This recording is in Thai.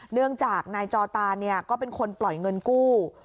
เนื่องจากนายจอตานก็เป็นคนปล่อยเงินกู้